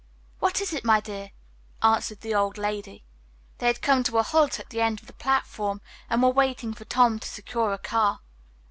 "What is it, my dear?" answered the old lady. They had come to a halt at the end of the platform and were waiting for Tom to secure a car.